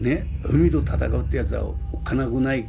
海と闘うってやつはおっかなくない。